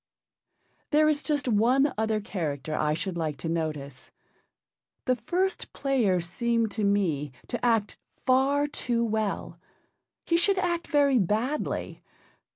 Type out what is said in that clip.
There is just one other character I should like to notice. The First Player seemed to me to act far too well. He should act very badly.